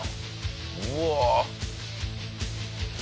うわ！